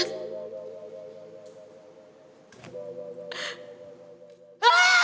tidak ada lagi zeros